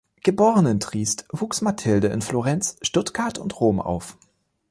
Geboren in Triest, wuchs Mathilde in Florenz, Stuttgart und Rom auf.